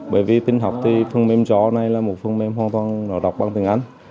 bởi vì tin học thì phần mềm chó này là một phần mềm hoàn toàn nó đọc bằng tiếng anh